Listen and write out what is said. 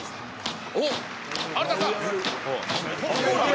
おっ、有田さん。